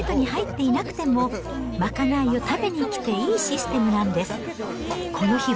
つり舟では、その日アルバイトに入っていなくても、賄いを食べに来ていいシステムなんです。